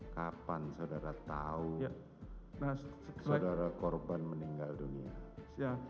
kapan saudara tahu saudara korban meninggal dunia